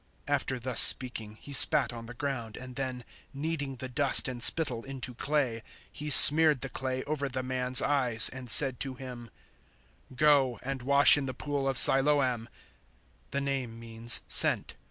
009:006 After thus speaking, He spat on the ground, and then, kneading the dust and spittle into clay, He smeared the clay over the man's eyes and said to him, 009:007 "Go and wash in the pool of Siloam" the name means `Sent.'